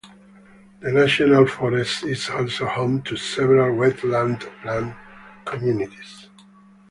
The National Forest is also home to several wetland plant communities.